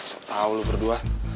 setau lo berdua